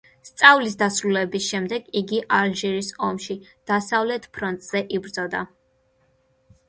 სწავლის დასრულების შემდეგ იგი ალჟირის ომში დასავლეთ ფრონტზე იბრძვის.